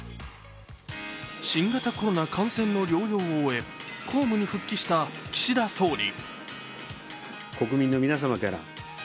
新型コロナ感染の療養を終え、公務に復帰した岸田総理。